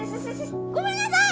ごめんなさい！